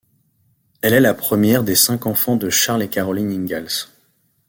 Elle est la première des cinq enfants de Charles et Caroline Ingalls.